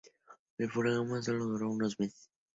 El programa sólo duró unos meses.